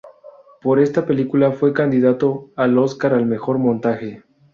Por esta película, fue candidato al Óscar al mejor montaje.